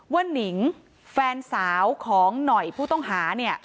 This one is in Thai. ว่าหนิงแฟนสาวของหน่อยผู้ต้องหา